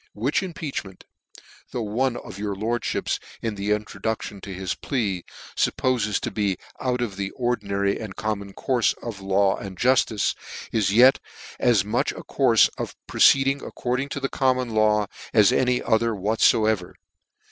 " Which impeachment, though one of your lordlhips, in the introduction to his plea, fup pofes to be out of the ordinary and common courfe of the law and jufli:e, is yet as much a courfe of proceeding according to the common law, as any other whatfoever.